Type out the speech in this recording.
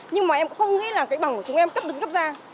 nhưng mà em cũng không nghĩ là cái bằng của chúng em cấp được cấp ra